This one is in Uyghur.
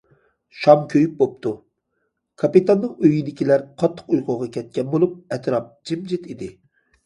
شام كۆيۈپ بوپتۇ، كاپىتاننىڭ ئۆيىدىكىلەر قاتتىق ئۇيقۇغا كەتكەن بولۇپ، ئەتراپ جىمجىت ئىدى.